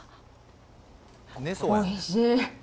おいしい。